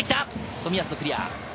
冨安のクリア。